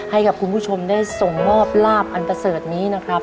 ให้กับคุณผู้ชมได้ส่งมอบลาบอันประเสริฐนี้นะครับ